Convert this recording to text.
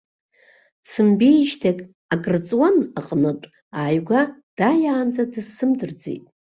Дсымбеижьҭеи акыр ҵуан аҟнытә, ааигәа дааиаанӡа дысзымдырӡеит.